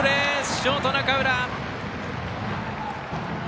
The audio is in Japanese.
ショートの中浦。